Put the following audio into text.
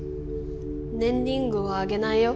ねんリングはあげないよ。